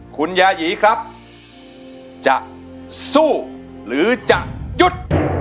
คุณยายีครับจะสู้หรือจะหยุด